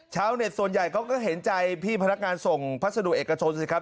ชาวเน็ตส่วนใหญ่เขาก็เห็นใจพี่พนักงานส่งพัสดุเอกชนสิครับ